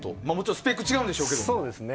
スペック違うんでしょうけど。